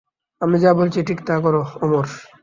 আমি যা বলছি ঠিক তা করো, অমর।